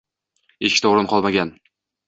Eshikda o`rin qolmagan